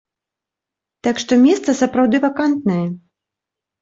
Так, што месца, сапраўды, вакантнае.